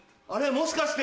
もしかして。